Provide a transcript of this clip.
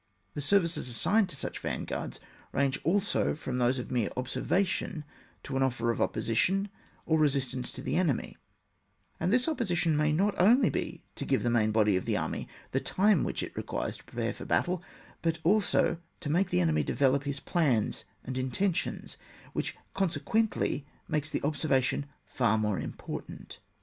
The services assigned to such vanguards range also from those of mere observation to an offer of opposition or resistance to the enemy, and this oppo sition may not only be to give the main body of the army the time which it requires to prepare for battle, but also to make Uie enemy develop his plans, and intentions, which consequently makes the observation far more im portant.